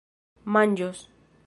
manĝos